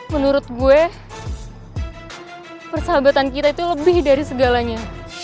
menurut gue persahabatan kita itu lebih dari segalanya